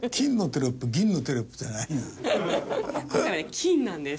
金なんです。